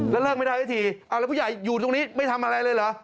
แล้วเลิกไม่ได้สักทีเอาแล้วผู้ใหญ่อยู่ตรงนี้ไม่ทำอะไรเลยเหรอ